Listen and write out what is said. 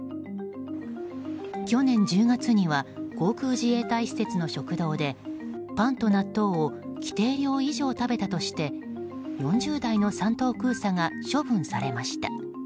去年１０月には航空自衛隊施設の食堂でパンと納豆を規定量以上食べたとして４０代の３等空佐が処分されました。